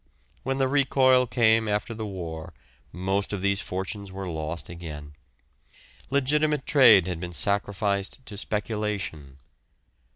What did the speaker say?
When the recoil came after the war most of these fortunes were lost again. Legitimate trade had been sacrificed to speculation.